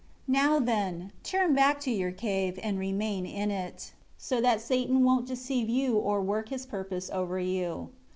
5 Now then, turn back to your cave, and remain in it, so that Satan won't deceive you or work his purpose over you.